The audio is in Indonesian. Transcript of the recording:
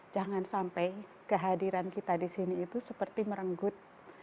jangan sampai kehadiran kita di sini itu seperti merenggut